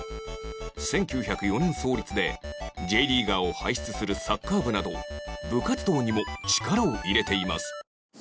１９０４年創立で Ｊ リーガーを輩出するサッカー部など部活動にも力を入れています